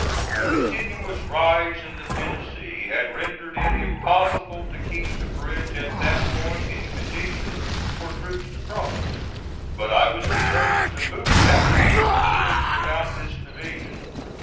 The continuous rise in the Tennessee had rendered it impossible to keep the bridge at that point in condition for troops to cross; but I was determined to move that night even without this division.